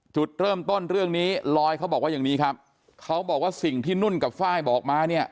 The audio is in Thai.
จุดเริ่มต้นเรื่องนี้ลอยเขาบอกว่าอย่างนี้ครับเขาบอกว่าสิ่งที่นุ่นกับไฟล์บอกมาเนี่ย